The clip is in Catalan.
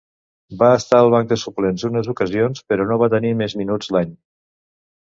Va estar al banc de suplents unes ocasions però no va tenir més minuts l'any.